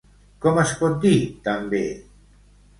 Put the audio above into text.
Com es pot dir també?